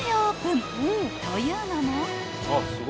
［というのも］